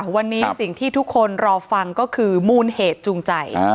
วันนี้สิ่งที่ทุกคนรอฟังก็คือมูลเหตุจูงใจ